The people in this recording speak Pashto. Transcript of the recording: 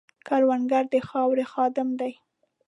کروندګر د خاورې خادم دی